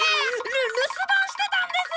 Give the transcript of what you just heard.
る留守番してたんです！